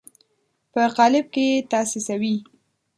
په قالب کې یې تاسیسوي.